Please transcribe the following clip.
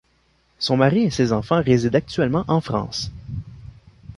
Son mari et ses enfants résident actuellement en France.